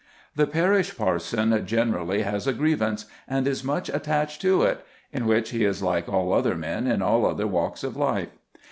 The parish parson generally has a grievance, and is much attached to it, in which he is like all other men in all other walks of life.